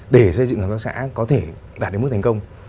để xây dựng hợp tác xã có thể đạt đến mức thành công